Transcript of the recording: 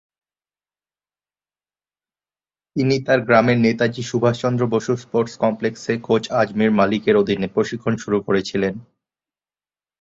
তিনি তার গ্রামের নেতাজি সুভাষ চন্দ্র বসু স্পোর্টস কমপ্লেক্সে কোচ আজমির মালিকের অধীনে প্রশিক্ষণ শুরু করেছিলেন।